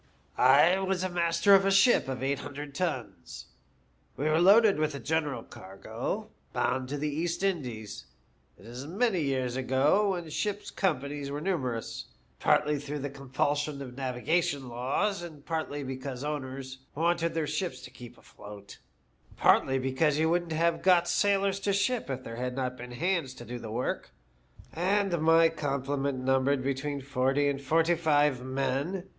" I was master of a ship of eight hundred tons. We were loaded with a general cargo, bound to the East Indies. It is many years ago, when ship's companies were numerous, partly through the compulsion of the navigation laws, partly because owners wanted their ships to keep afloat, partly because you wouldn't have got sailors to ship if there had not been hands to do the work ; and my complement numbered between forty and forty five men.